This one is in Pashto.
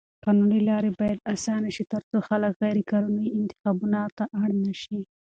قانوني لارې بايد اسانه شي تر څو خلک غيرقانوني انتخابونو ته اړ نه شي.